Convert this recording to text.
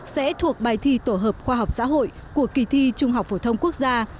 sẽ thuộc bài thi tổ hợp khoa học xã hội của kỳ thi trung học phổ thông quốc gia